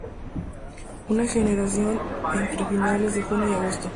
Una generación entre finales de junio y agosto.